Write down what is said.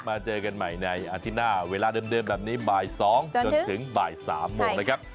เจอกันใหม่ในอาทิตย์หน้าเวลาเดิมแบบนี้บ่าย๒จนถึงบ่าย๓โมงนะครับ